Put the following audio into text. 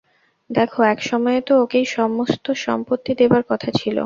দেখো, এক সময়ে তো ওকেই সমস্ত সম্পত্তি দেবার কথা ছিল।